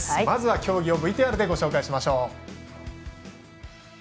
まずは競技をＶＴＲでご紹介します。